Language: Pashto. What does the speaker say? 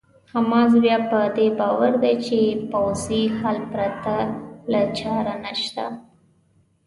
حماس بیا په دې باور دی چې پوځي حل پرته بله چاره نشته.